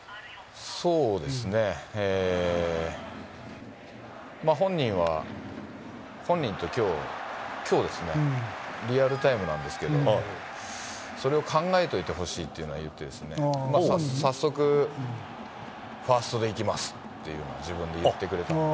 そうですね、本人は、本人ときょう、きょうですね、リアルタイムなんですけど、それを考えといてほしいというのは言ってですね、早速ファーストでいきますっていうのは、自分で言ってくれたので。